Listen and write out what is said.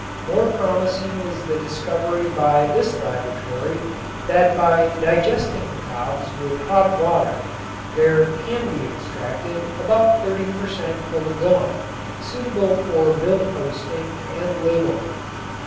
More promising is the discovery by this laboratory that by digesting the cobs with hot water there can be extracted about 30 per cent. of a gum suitable for bill posting and labeling.